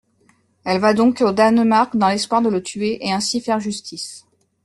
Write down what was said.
Elle va donc au Danemark dans l'espoir de le tuer et ainsi faire justice.